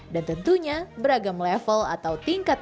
dan tentunya beragam level atau tingkatnya